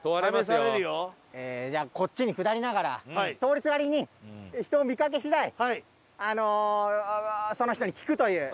じゃあこっちに下りながら通りすがりに人を見かけ次第あのその人に聞くという。